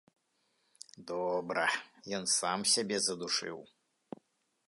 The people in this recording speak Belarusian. Добра, ён сам сябе задушыў.